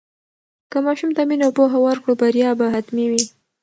که ماشوم ته مینه او پوهه ورکړو، بریا به حتمي وي.